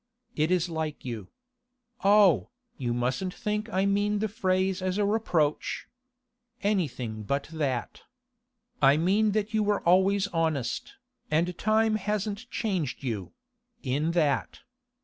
It is like you. Oh, you mustn't think I mean the phrase as a reproach. Anything but that. I mean that you were always honest, and time hasn't changed you—in that.